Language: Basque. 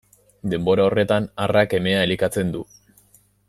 Denbora horretan, arrak emea elikatzen du.